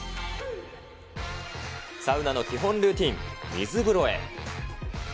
サウナの基本ルーティン、水風呂へ。